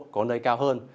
có nơi cao hơn